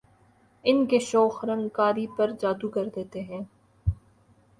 ان کے شوخ رنگ قاری پر جادو کر دیتے ہیں